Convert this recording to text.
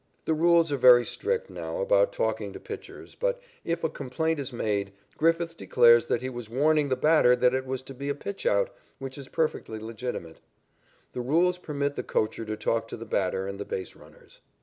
] The rules are very strict now about talking to pitchers, but, if a complaint is made, Griffith declares that he was warning the batter that it was to be a pitchout, which is perfectly legitimate. The rules permit the coacher to talk to the batter and the base runners.